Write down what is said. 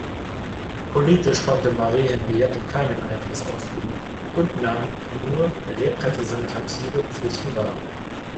Politisch konnte Marie Henriette keinen Einfluss ausüben und nahm nur repräsentative Pflichten wahr.